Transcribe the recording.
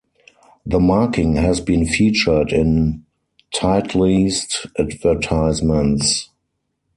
The marking has been featured in Titleist advertisements.